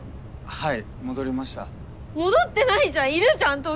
はい。